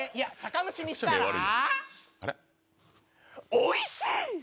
おいしい！